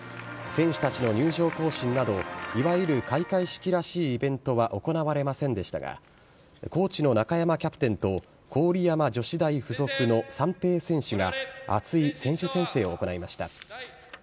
選手たちの入場行進など、いわゆる開会式らしいイベントは行われませんでしたが、高知の中山キャプテンと、郡山女子大附属の三瓶選手が、熱い選手宣誓を行いました。